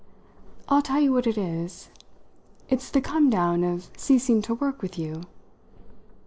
"I'll tell you what it is: it's the come down of ceasing to work with you!"